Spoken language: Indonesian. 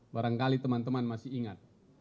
barangkali teman teman masih ingat